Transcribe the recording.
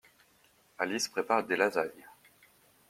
Alice prépare des lasagnes.